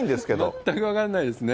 全く分かんないですね。